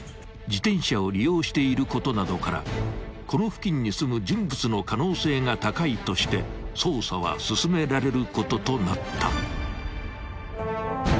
［自転車を利用していることなどからこの付近に住む人物の可能性が高いとして捜査は進められることとなった］